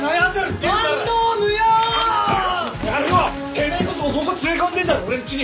てめえこそ男連れ込んでんだろ俺んちに！